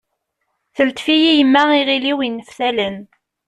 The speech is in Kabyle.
Teltef-iyi yemma iɣil-iw yenneftalen.